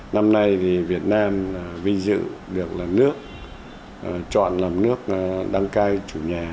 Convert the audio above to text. năm nay thì việt nam vinh dự được là nước chọn làm nước đăng cai chủ nhà